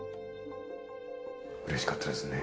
うれしかったですね。